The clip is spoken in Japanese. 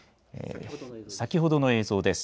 先ほどの映像です。